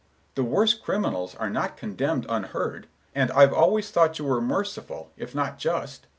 The worst criminals are not condemned unheard, and I've always thought you were merciful if not just.